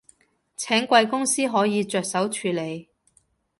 請貴公司可以着手處理